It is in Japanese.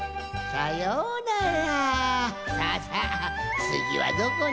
さようなら。